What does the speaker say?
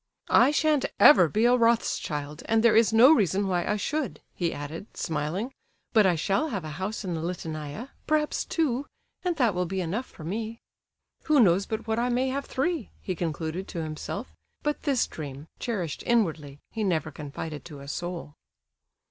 "I shan't ever be a Rothschild, and there is no reason why I should," he added, smiling; "but I shall have a house in the Liteynaya, perhaps two, and that will be enough for me." "Who knows but what I may have three!" he concluded to himself; but this dream, cherished inwardly, he never confided to a soul.